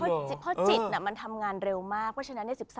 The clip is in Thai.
เพราะจิตมันทำงานเร็วมากเพราะฉะนั้น